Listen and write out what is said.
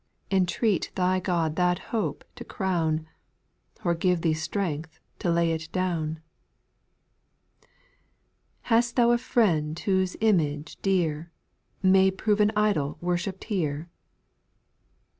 Entreat thy God that hoi^e to crown, Or give thee strength to lay it down. 8. Hast thou a friend whose image dear, May prove an idol worshipped here